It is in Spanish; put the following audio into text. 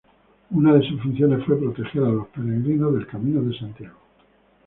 Una de sus funciones fue proteger a los peregrinos del camino de Santiago.